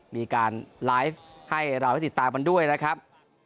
มีการไลฟ์ให้เราได้ติดตามกันด้วยนะครับ